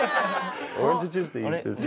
オレンジジュースでいいです。